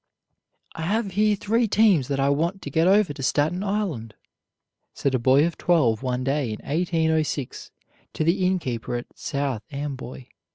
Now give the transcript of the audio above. "I have here three teams that I want to get over to Staten Island," said a boy of twelve one day in 1806 to the innkeeper at South Amboy, N.